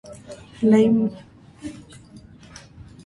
Լեմյեն ինը տարեկանից սկսել է բռնցքամարտով զբաղվել։